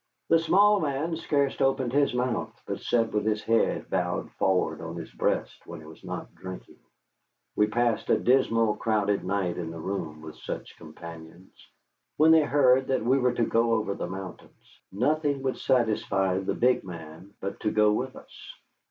The small man scarce opened his mouth, but sat with his head bowed forward on his breast when he was not drinking. We passed a dismal, crowded night in the room with such companions. When they heard that we were to go over the mountains, nothing would satisfy the big man but to go with us.